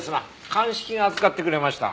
鑑識が預かってくれました。